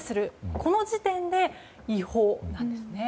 この時点で違法なんですね。